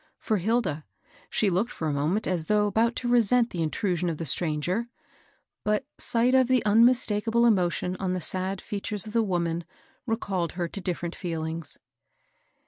For Hilda, she looked for a moment as though about to resent the intru sion of the stranger ; but sight of the unmistakable emotion on the sad features of the woman recalled her to different feelings.